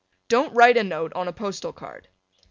Don't write a note on a postal card.